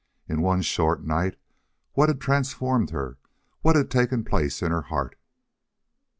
In one short night what had transformed her what had taken place in her heart?